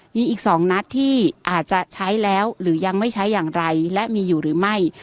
มีอีก๒นัดที่อาจจะใช้แล้วหรือยังไม่ใช้อย่างไรและมีอยู่หรือไม่